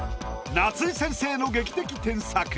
夏井先生の劇的添削。